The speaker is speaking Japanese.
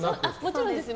もちろんです。